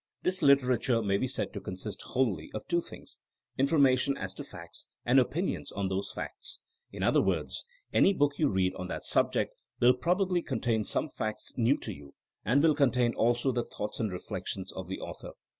This literature may be said to consist wholly of two things : infor mation as to facts, and opinions on those facts. In other words, any book you read on that sub ject will probably contain some facts new to you and will contain also the thoughts and reflec tions of the author.